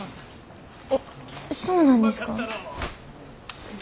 えっそうなんですか？